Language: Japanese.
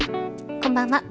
こんばんは。